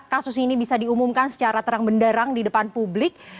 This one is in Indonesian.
kasus ini bisa diumumkan secara terang benderang di depan publik